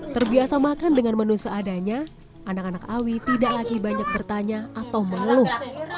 terbiasa makan dengan menu seadanya anak anak awi tidak lagi banyak bertanya atau mengeluh